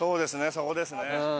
そこですね。